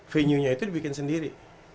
venue nya itu dibikin sendiri